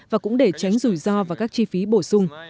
và cũng để tránh rủi ro và các chi phí bổ sung